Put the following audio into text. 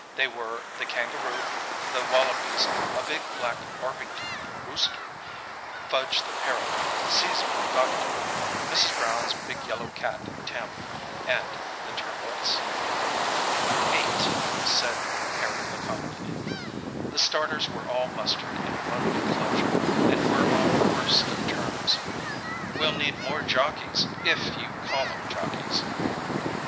They were the kangaroo, the wallabies, a big black Orpington "rooster," Fudge the parrot, Caesar the cockatoo, Mrs. Brown's big yellow cat, Tim, and the "turloise." "Eight," said Harry laconically. The starters were all mustered in one enclosure, and were on the worst of terms. "We'll need more jockeys—if you call 'em jockeys."